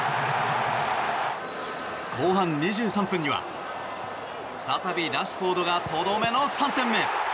後半２３分には再びラッシュフォードがとどめの３点目。